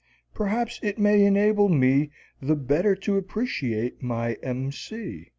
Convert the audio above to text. Perhaps it may enable me the better to appreciate my M. C.